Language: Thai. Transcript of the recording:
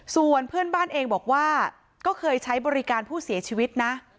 ส่วนเพื่อนบ้านเองบอกว่าก็เคยใช้บริการผู้เสียชีวิตนะ